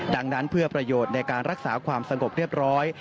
ดังนั้นเพื่อประโยชน์ในการรักษาความสงบเรียบร้อย